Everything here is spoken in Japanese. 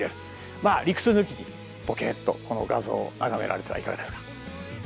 まあ理屈抜きにぼけっとこの画像を眺められてはいかがですか？